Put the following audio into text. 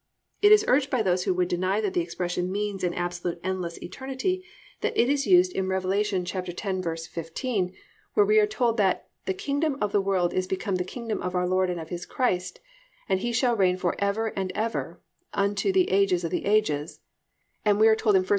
It is urged by those who would deny that the expression means an absolutely endless eternity, that it is used in Rev. 11:15, where we are told that "the kingdom of the world is become the kingdom of our Lord, and of His Christ: and He shall reign for ever and ever (unto the ages of the ages)," and that we are told in 1 Cor.